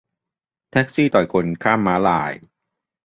แท็กซี่ต่อยคนข้ามม้าลาย